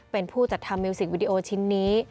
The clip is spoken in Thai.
เป็นผู้จัดทำมิวสิกวิดีโอชิ้นนี้